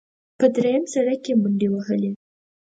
په درېیم سړک کې منډې ووهلې.